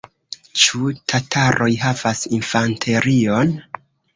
Ĉu tataroj havas infanterion?